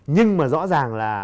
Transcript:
nhưng mà rõ ràng là